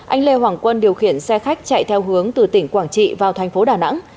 anh lê hoàng quân điều khiển xe khách chạy theo hướng từ tỉnh quảng trị vào thành phố đà nẵng